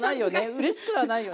うれしくはないよね。